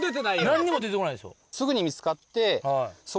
何にも出てこないですよ